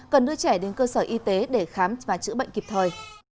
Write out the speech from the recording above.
cần đưa trẻ đến cơ sở y tế để khám và chữa bệnh kịp thời